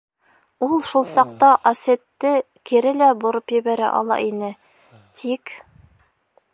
Ул шул саҡта Асетте кире лә бороп ебәрә ала ине, тик...